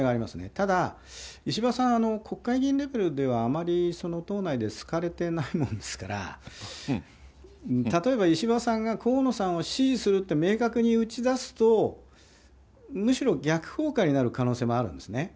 ただ、石破さん、国会議員レベルではあまり党内で好かれてないもんですから、例えば石破さんが河野さんを支持すると明確に打ち出すと、むしろ逆効果になる可能性もあるんですね。